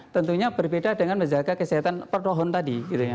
tentunya berbeda dengan menjaga kesehatan per pohon tadi